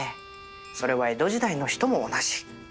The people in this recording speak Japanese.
それは江戸時代の人も同じ。